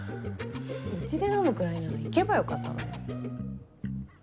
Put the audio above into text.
うちで飲むくらいなら行けばよかったのに。